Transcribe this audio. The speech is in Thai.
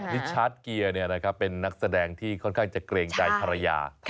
นิชาร์จเกียร์เป็นนักแสดงที่ค่อนข้างจะเกรงใจภรรยา